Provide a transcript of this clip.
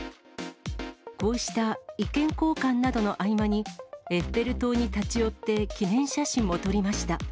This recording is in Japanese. こうした意見交換などの合間に、エッフェル塔に立ち寄って記念写真も撮りました。